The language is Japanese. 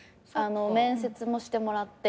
面接もしてもらって。